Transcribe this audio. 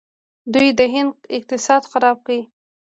دوی د هند اقتصاد خراب کړ.